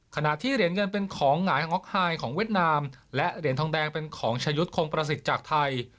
ขณะที่เหรียญเงินเป็นของหงายฮ็อกไฮของเวียดนามและเหรียญทองแดงเป็นของชะยุทธ์คงประสิทธิ์จากไทย